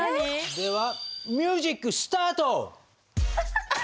ではミュージックスタート！